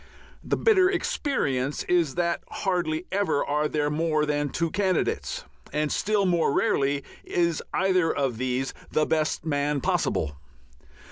The bitter experience is that hardly ever are there more than two candidates, and still more rarely is either of these the best man possible.